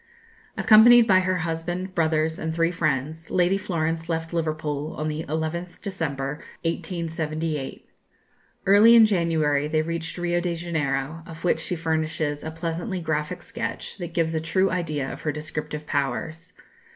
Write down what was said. Accompanied by her husband, brothers, and three friends, Lady Florence left Liverpool on the 11th December, 1878. Early in January they reached Rio de Janeiro, of which she furnishes a pleasantly graphic sketch, that gives a true idea of her descriptive powers.